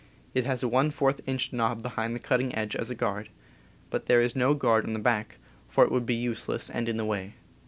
It has a | inch knob behind the cutting edge as a guard, but there is no guard on the back, for it would be useless and in the way.